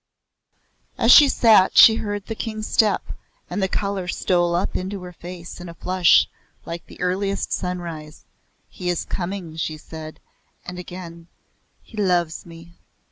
As she sat she heard the King's step, and the colour stole up into her face in a flush like the earliest sunrise. "He is coming," she said; and again; "He loves me."